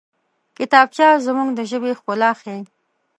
کتابچه زموږ د ژبې ښکلا ښيي